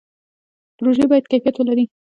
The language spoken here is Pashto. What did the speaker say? پروژې باید کیفیت ولري